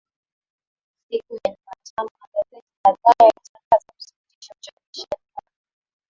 siku ya juma tano magazeti kadhaa yalitangaza kusitisha uchapishaji wake